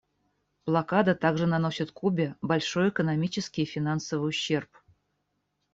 Блокада также наносит Кубе большой экономический и финансовый ущерб.